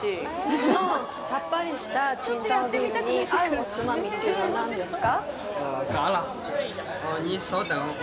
このさっぱりした青島ビールに合うおつまみっていうのは何ですか。